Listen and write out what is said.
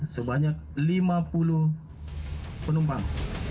sebanyak lima puluh penumpang